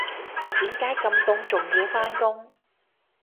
點解咁凍仲要返工